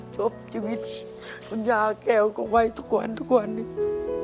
จบชีวิตย่าแก้วกับไวท์ทุกวันทุกวันนี้